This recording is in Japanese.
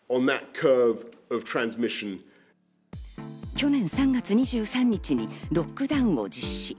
去年３月２３日にロックダウンを実施。